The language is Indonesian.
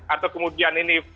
atau kemudian ini